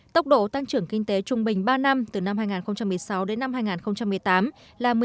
tốc độ tăng trưởng kinh tế trung bình ba năm từ năm hai nghìn một mươi sáu đến năm hai nghìn một mươi tám là một mươi một ba mươi bảy